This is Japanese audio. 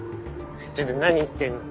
ちょっと何言ってんの。